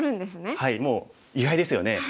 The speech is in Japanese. はいもう意外ですよね。